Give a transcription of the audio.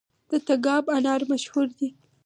د تګاب انار مشهور دي